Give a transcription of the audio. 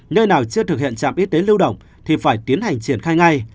nơi nào chưa thực hiện trạm y tế lưu động thì phải tiến hành triển khai ngay